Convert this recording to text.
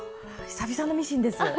久々のミシンです！